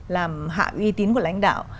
làm hạ uy tín của lãnh đạo